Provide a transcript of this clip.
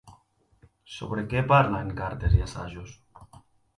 Sobre què parla en cartes i assajos?